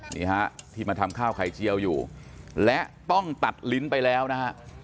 นี่ฮะที่มาทำข้าวไข่เจียวอยู่และต้องตัดลิ้นไปแล้วนะฮะ